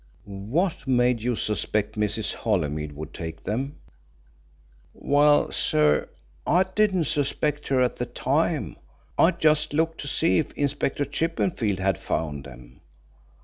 "What made you suspect Mrs. Holymead would take them?" "Well, sir, I didn't suspect her at the time. I just looked to see if Inspector Chippenfield had found them.